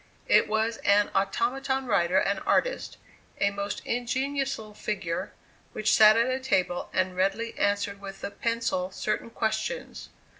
It was an automaton writer and artist, a most ingenious little figure, which sat at a table, and readily answered with the pencil certain questions.